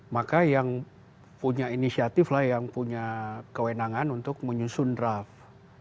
maka yang punya inisiatif lah yang punya kewenangan untuk menyusun draft